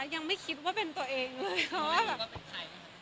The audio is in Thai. ยังไม่คิดว่าเป็นตัวเองเลย